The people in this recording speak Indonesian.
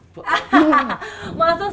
masuk sih langsung